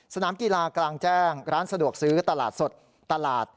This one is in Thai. สนามกีฬากลางแจ้งร้านสะดวกซื้อตลาดสดตลาด